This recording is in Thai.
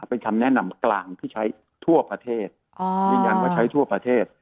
เป็นคำแนะนำกลางที่ใช้ทั่วประเทศยืนยันว่าใช้ทั่วประเทศ